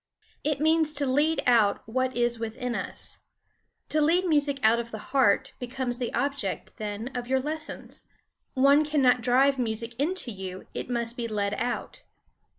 It means to lead out what is within us. To lead music out of the heart becomes the object, then, of your lessons. One cannot drive music into you; it must be led out.